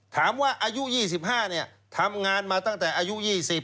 ถามว่าอายุยี่สิบห้าเนี้ยทำงานมาตั้งแต่อายุยี่สิบ